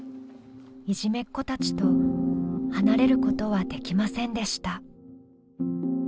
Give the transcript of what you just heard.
いじめっ子たちと離れることはできませんでした。